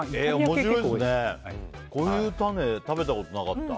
こういうたねは食べたことなかった。